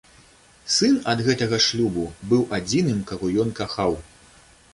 Сын ад гэтага шлюбу быў адзіным, каго ён кахаў.